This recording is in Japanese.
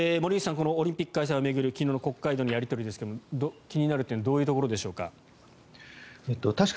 このオリンピック開催を巡る昨日の国会でのやり取りですが気になる点どういうところでしょうか。